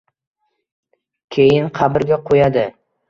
Keyin qabrga qo‘yadi.